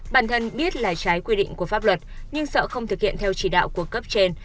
bản thân biết là trái quy định của pháp luật nhưng sợ không thực hiện theo chỉ đạo của cấp trên